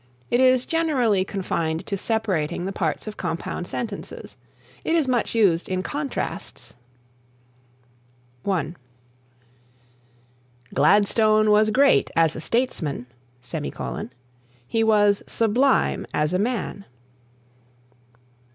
It is generally confined to separating the parts of compound sentences. It is much used in contrasts: (1) "Gladstone was great as a statesman; he was sublime as a man."